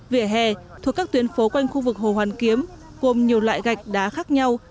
vỉa hè thuộc các tuyến phố quanh khu vực hồ hoàn kiếm gồm nhiều loại gạch đá khác nhau